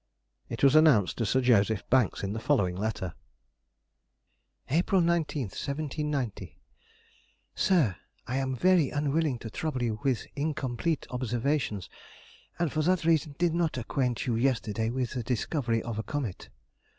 It was announced to Sir Joseph Banks in the following letter:— April 19th, 1790. SIR,— I am very unwilling to trouble you with incomplete observations, and for that reason did not acquaint you yesterday with the discovery of a comet.